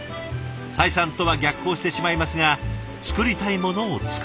採算とは逆行してしまいますが作りたいものを作りたい。